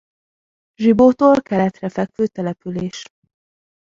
Zsibótól keletre fekvő település.